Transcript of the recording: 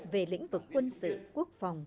về lĩnh vực quân sự quốc phòng